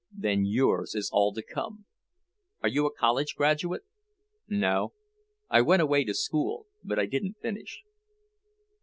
"Then yours is all to come. Are you a college graduate?" "No. I went away to school, but I didn't finish."